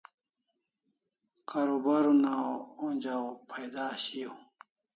Karubar una onja o phaida shiau